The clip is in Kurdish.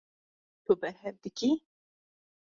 Tu berhev dikî.